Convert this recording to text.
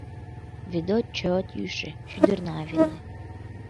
Ведот чот йӱшӧ, шӱдырна веле.